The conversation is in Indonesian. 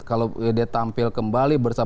kalau dia tampil kembali bersama